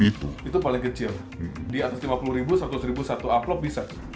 di atas lima puluh ribu seratus ribu satu upload bisa